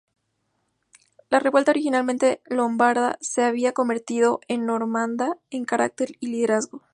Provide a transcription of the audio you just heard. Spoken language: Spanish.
La revuelta, originariamente lombarda, se había convertido en normanda en carácter y liderazgo.